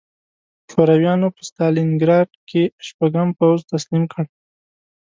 شورویانو په ستالینګراډ کې شپږم پوځ تسلیم کړ